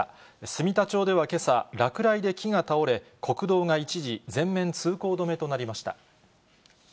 住田町ではけさ、落雷で木が倒れ、国道が一時、全面通行止めとなりました。